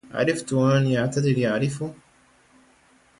عرفت ومن يعتدل يعرف